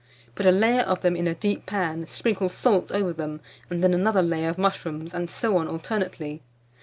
Put a layer of them in a deep pan, sprinkle salt over them, and then another layer of mushrooms, and so on alternately.